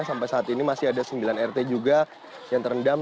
sampai saat ini masih ada sembilan rt juga yang terendam